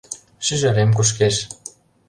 Шӱжарем кушкеш…